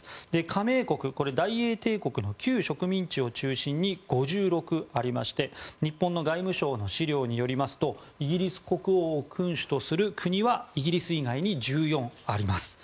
加盟国、大英帝国の旧植民地を中心に５６ありまして日本の外務省の資料によりますとイギリス国王を君主とする国はイギリス以外に１４あります。